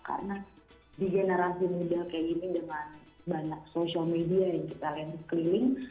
karena di generasi muda kayak gini dengan banyak social media yang kita lensing keliling